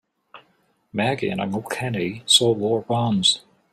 Maggie and Uncle Kenny sold war bonds.